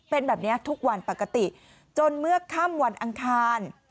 เป็นแบบนี้ทุกวันปกติจนเมื่อค่ำวันอังคาร